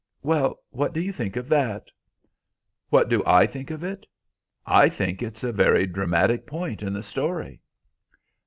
"Well, what do you think of that?" "What do I think of it? I think it's a very dramatic point in the story."